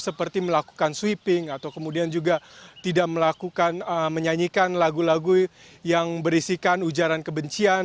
seperti melakukan sweeping atau kemudian juga tidak melakukan menyanyikan lagu lagu yang berisikan ujaran kebencian